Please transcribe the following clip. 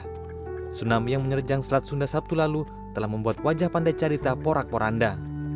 tsunami yang menerjang selat sunda sabtu lalu telah membuat wajah pandai carita porak poranda